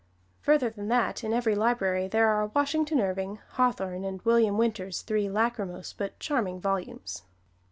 Further than that, in every library there are Washington Irving, Hawthorne, and William Winter's three lacrimose but charming volumes.